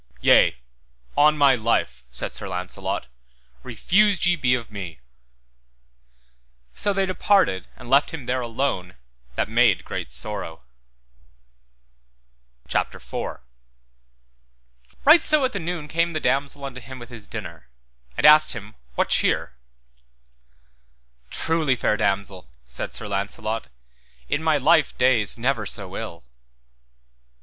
Yea, on my life, said Sir Launcelot, refused ye be of me. So they departed and left him there alone that made great sorrow. CHAPTER IV. How Sir Launcelot was delivered by the mean of a damosel. Right so at the noon came the damosel unto him with his dinner, and asked him what cheer. Truly, fair damosel, said Sir Launcelot, in my life days never so ill.